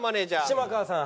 嶋川さん。